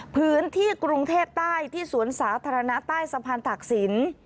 พื้นที่กรุงเทพใต้ที่สวนสาธารณะใต้สะพานตากศิลป์